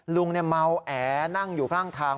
ลุงเมาแอนั่งอยู่ข้างทาง